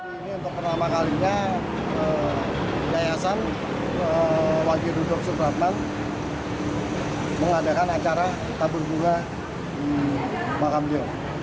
ini untuk pertama kalinya yayasan wakil dudung supratman mengadakan acara tabur bunga di makam beliau